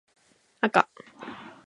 あか